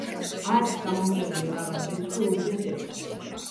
ათს გამოკლებული რაღაც რიცხვი უდრის ექვსს.